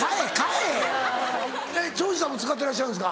えっ長州さんも使ってらっしゃるんですか？